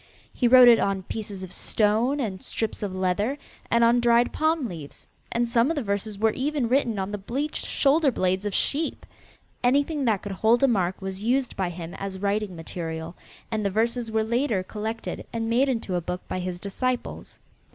He wrote it on pieces of stone and strips of leather, and on dried palm leaves, and some of the verses were even written on the bleached shoulder blades of sheep. Anything that could hold a mark was used by him as writing material, and the verses were later collected and made into a book by his disciples.